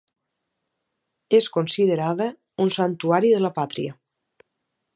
És considerada un Santuari de la pàtria.